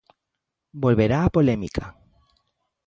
Volverá a polémica.